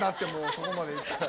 そこまでいったら。